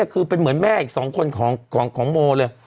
คือเป็นเหมือนแม่อีก๒คนของโมเลย